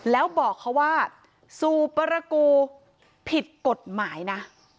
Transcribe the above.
แล้วบอกเขาว่าสูบประกูผิดกฎหมายนะ